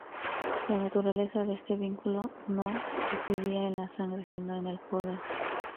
La naturaleza de este vínculo no residía en la sangre, sino en el poder.